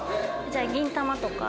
じゃあ『銀魂』とか？